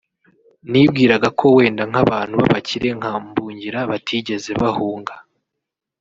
nibwiraga ko wenda nk’abantu b’abakire nka Mbungira batigeze bahunga